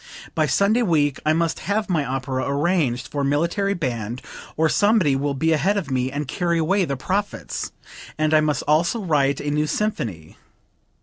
By Sunday week I must have my opera arranged for military band or somebody will be ahead of me and carry away the profits; and I must also write a new symphony.